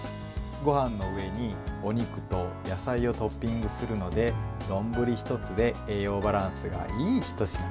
ごはんの上に、お肉と野菜をトッピングするので丼１つで栄養バランスがいいひと品になります。